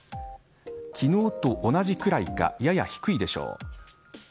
昨日と同じくらいかやや低いでしょう。